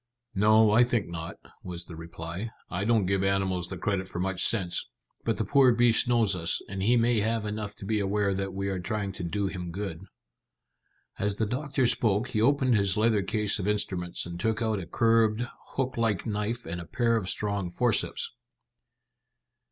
"No, I think not," was the reply. "I don't give animals the credit for much sense, but the poor beast knows us, and he may have enough to be aware that we are trying to do him good." As the doctor spoke he opened his leather case of instruments, and took out a curved, hook like knife and a pair of strong forceps.